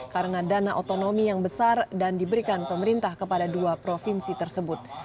karena dana otonomi yang besar dan diberikan pemerintah kepada dua provinsi tersebut